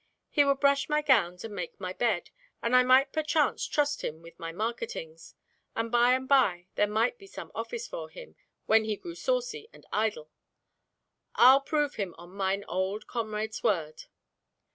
"He would brush my gowns and make my bed, and I might perchance trust him with my marketings, and by and by there might be some office for him when he grew saucy and idle. I'll prove him on mine old comrade's word."